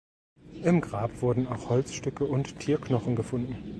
Im Grab wurden auch Holzstücke und Tierknochen gefunden.